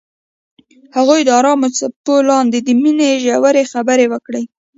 هغوی د آرام څپو لاندې د مینې ژورې خبرې وکړې.